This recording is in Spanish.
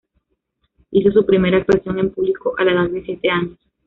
Hizo su primera actuación en público a la edad de siete años.